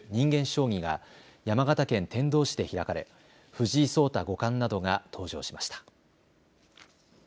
将棋が山形県天童市で開かれ藤井聡太五冠などが登場しました。